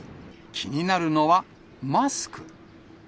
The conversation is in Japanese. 気になるのは、マスク。